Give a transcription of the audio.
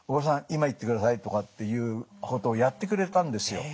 今行ってください」とかっていうことをやってくれたんですよ。